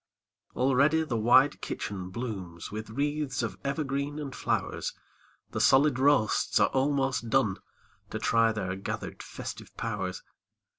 Already the wide kitchen blooms With wreaths of evergreens and flowers, The solid roasts are almost done, To try their gathered festive powers.